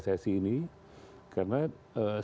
karena selain masalah pembinaan eksternal juga diperlukan